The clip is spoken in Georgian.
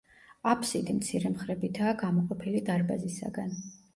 აფსიდი მცირე მხრებითაა გამოყოფილი დარბაზისაგან.